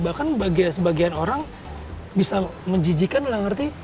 bahkan sebagian orang bisa menjijikan dalam arti